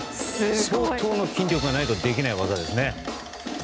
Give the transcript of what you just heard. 相当の筋力がないとできない技ですね。